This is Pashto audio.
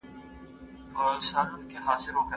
د دلارام په بازار کي د هرات او کندهار سوداګر سره مخ کېږي